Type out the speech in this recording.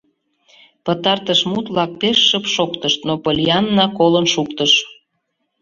Пытартыш мут-влак пеш шып шоктышт, но Поллианна колын шуктыш.